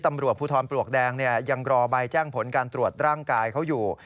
ตำรวจภูทรปลวกแดงยังรอใบแจ้งผลการตรวจร่างกายเขาอยู่